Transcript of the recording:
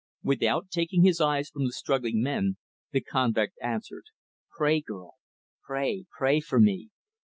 Without taking his eyes from the struggling men, the convict answered, "Pray, girl; pray, pray for me."